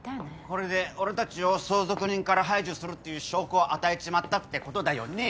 これで俺たちを相続人から廃除するっていう証拠を与えちまったってことだよね。